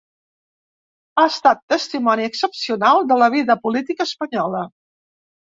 Ha estat testimoni excepcional de la vida política espanyola.